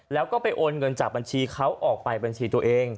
แล้วก็ไปโอนเงินจากบัญชีเขาออกไปบัญชีตัวเอง